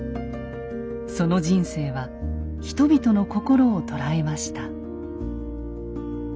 その人生は人々の心を捉えました。